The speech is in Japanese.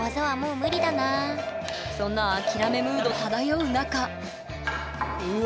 そんな諦めムード漂う中うわ。